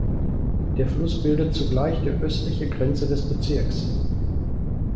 Der Fluss bildet zugleich die östliche Grenze des Bezirks.